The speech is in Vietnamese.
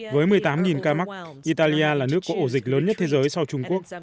với một mươi tám ca mắc italia là nước có ổ dịch lớn nhất thế giới sau trung quốc